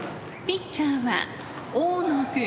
「ピッチャーは大野君」。